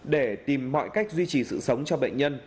để tìm mọi cách duy trì sự sống cho bệnh nhân